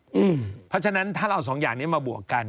เพราะฉะนั้นถ้าเราเอาสองอย่างนี้มาบวกกัน